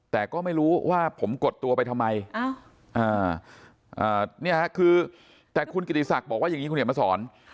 แต่ก็ไม่รู้ว่าผมกดตัวไปทำไมคือแต่คุณกิติศักดิ์บอกว่าอย่างนี้คุณเห็นมาสอน